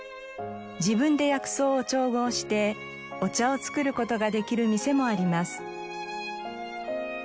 自分で薬草を調合してお茶を作る事ができる店もあります。